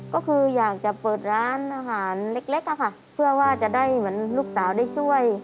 ก็คืออยากจะเปิดร้านอาหารเล็กอะค่ะเพื่อว่าจะได้เหมือนลูกสาวได้ช่วย